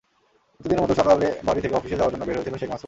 প্রতিদিনের মতো সকালে বাড়ি থেকে অফিসে যাওয়ার জন্য বের হয়েছিলেন শেখ মাসুম।